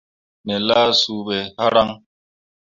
Me lah suu ɓe hǝraŋ.